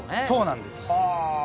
そうなんです。